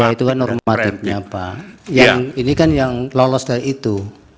itu kan normatifnya apa yang ini kan yang lolos dari itu